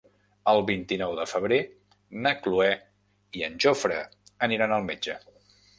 El vint-i-nou de febrer na Cloè i en Jofre aniran al metge.